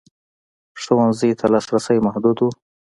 ښوونځیو ته لاسرسی محدود و.